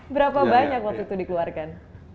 berapa banyak waktu itu dikeluarkan